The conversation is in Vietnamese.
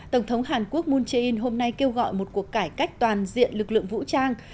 tổng thống hàn quốc moon jae in hôm nay kêu gọi một cuộc cải cách toàn diện lực lượng vũ trang